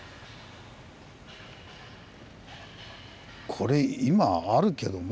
これ今あるけども。